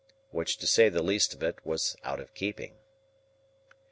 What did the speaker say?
Which, to say the least of it, was out of keeping.